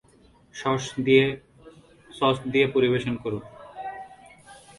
Sauce দিয়ে পরিবেশন করুন।